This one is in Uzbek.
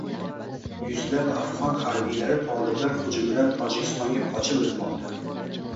Yuzlab afg‘on harbiylari toliblar hujumidan Tojikistonga qochib o‘tmoqda